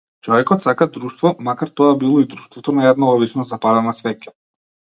Човекот сака друштво, макар тоа било и друштвото на една обична запалена свеќа.